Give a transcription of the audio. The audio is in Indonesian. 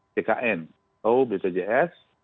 tkn atau bcjs